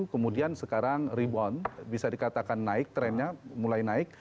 kemudian sekarang rebound bisa dikatakan naik trennya mulai naik